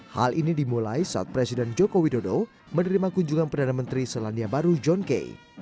hal ini dimulai saat presiden joko widodo menerima kunjungan perdana menteri selandia baru john kay